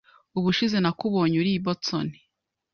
Ubushize nakubonye uri i Boston.